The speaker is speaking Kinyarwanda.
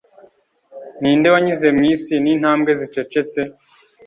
ninde wanyuze mwisi nintambwe zicecetse